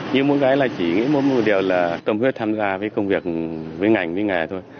nhưng mỗi cái là chỉ nghĩ một điều là tâm hước tham gia với công việc với ngành với nghề thôi